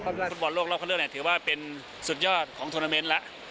บทโลกรอบคัดเลือกถือว่าเป็นสุดยอดของโทรเมนต์แล้ว